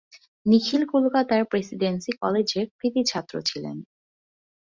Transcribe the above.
নিখিল কলকাতার প্রেসিডেন্সি কলেজের কৃতি ছাত্র ছিলেন।